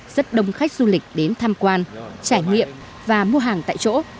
rất đông khách du lịch đến tham quan trải nghiệm và mua hàng tại chỗ